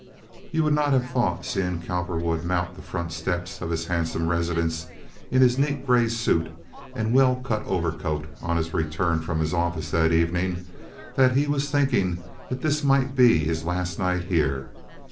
You would not have thought, seeing Cowperwood mount the front steps of his handsome residence in his neat gray suit and well cut overcoat on his return from his office that evening, that he was thinking that this might be his last night here.